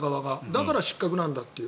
だから失格なんだっていう。